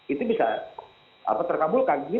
itu bisa terkabulkan gitu